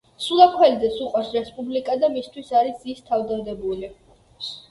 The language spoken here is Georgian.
სულაქველიძეს უყვარს რესპუბლიკა და მისთვის არის ის თავდადებული.